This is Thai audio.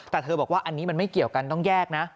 แต่เธอบอกว่าอันนี้มันไม่เกี่ยวกันต้องแยกนะ